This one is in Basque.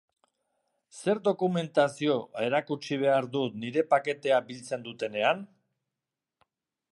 Zer dokumentazio erakutsi behar dut nire paketea biltzen dutenean?